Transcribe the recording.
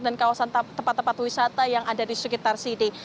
dan tempat wisata yang ada di sekitar sini